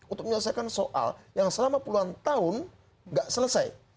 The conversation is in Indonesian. untuk menyelesaikan soal yang selama puluhan tahun nggak selesai